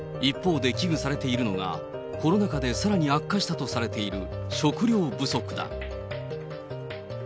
一方で危惧されているのが、コロナ禍でさらに悪化したとされている食料不足だ。